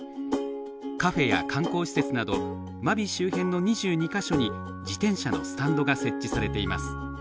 カフェや観光施設など真備周辺の２２か所に自転車のスタンドが設置されています。